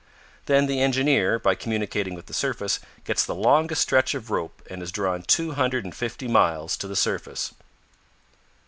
Then the engineer, by communicating with the surface, gets the longest stretch of rope and is drawn two hundred and fifty miles to the surface.